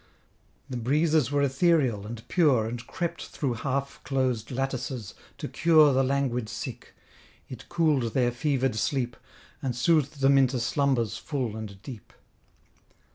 The breezes were ethereal, and pure, And crept through half closed lattices to cure The languid sick; it cool'd their fever'd sleep, And soothed them into slumbers full and deep.